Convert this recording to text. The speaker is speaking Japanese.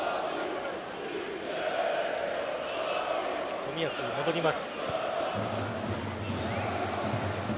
冨安、戻ります。